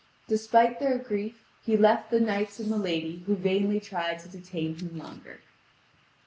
Despite their grief he left the knights and the lady who vainly tried to detain him longer.